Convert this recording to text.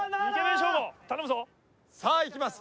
さあいきます。